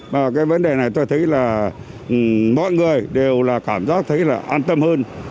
và cái vấn đề này tôi thấy là mọi người đều là cảm giác thấy là an tâm hơn